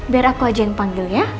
biar aku aja yang panggil ya